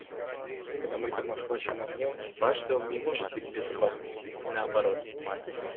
Когда мой дом охвачен огнем, ваш дом не может быть в безопасности, и наоборот.